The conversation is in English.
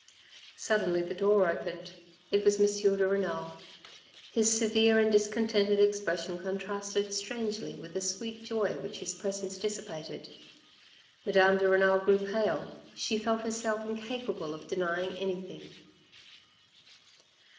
Suddenly the door opened. It was M. de Renal. His severe and discontented expression contrasted strangely with the sweet joy which his presence dissipated. Madame de Renal grew pale, she felt herself incapable of denying anything.